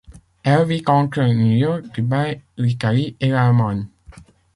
Elle vit entre New York, Dubaï, l'Italie, et l'Allemagne.